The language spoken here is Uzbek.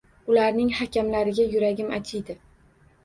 Ularning hakamlariga yuragim achiydi.